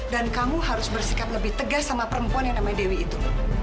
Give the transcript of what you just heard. dan kamu harus bersikap lebih tegas sama perempuan yang namanya dewi itu